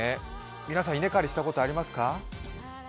皆さん、稲刈りしたことありますか？